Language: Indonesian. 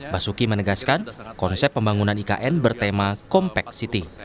basuki menegaskan konsep pembangunan ikn bertema kompleks